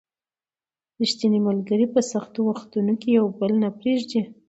ریښتیني ملګري په سختو وختونو کې یو بل نه پرېږدي